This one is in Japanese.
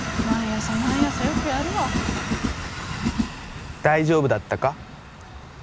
毎朝毎朝よくやるわ大丈夫だったか？